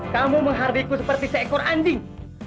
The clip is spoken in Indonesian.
kamu menghargaiku seperti seekor anjing